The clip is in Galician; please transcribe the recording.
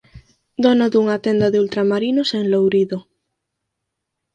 Dono dunha tenda de ultramarinos en Lourido.